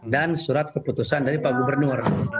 surat keputusan dari pak gubernur